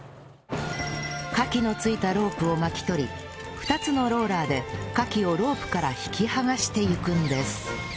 カキの付いたロープを巻き取り２つのローラーでカキをロープから引き剥がしていくんです